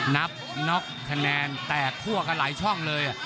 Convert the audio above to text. นับน็อกคะแนนแตกคั่วกันหลายช่องเลย